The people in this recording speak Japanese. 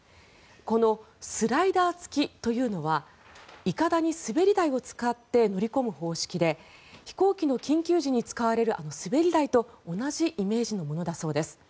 このスライダー付きというのはいかだに滑り台を使って乗り込む方式で飛行機の緊急時に使われるあの滑り台と同じイメージのものだそうです。